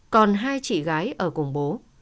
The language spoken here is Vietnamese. còn hai chị gái ở cùng bố